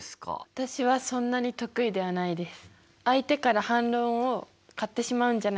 私はそんなに得意ではないです。